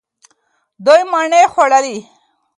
دوی مڼې وخوړلې.